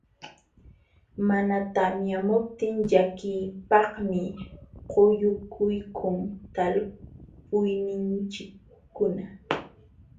Mana tamyamuptin llakiypaqmi quyukuykun talpuyninchikkuna.